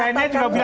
dan kita tidak bisa